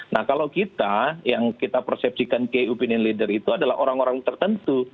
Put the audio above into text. nah kalau kita yang kita persepsikan key opinion leader itu adalah orang orang tertentu